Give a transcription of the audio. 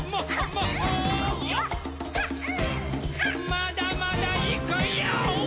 まだまだいくヨー！